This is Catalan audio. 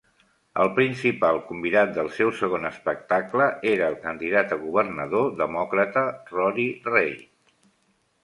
El principal convidat del seu segon espectacle era el candidat a governador demòcrata Rory Reid.